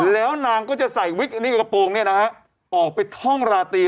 แล้วนางก็จะใส่วิกอันนี้กระโปรงเนี่ยนะฮะออกไปท่องราตรี